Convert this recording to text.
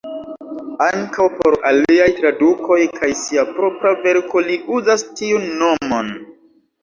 Ankaŭ por aliaj tradukoj kaj sia propra verko li uzas tiun nomon.